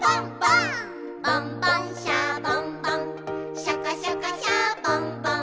「ボンボン・シャボン・ボンシャカシャカ・シャボン・ボン」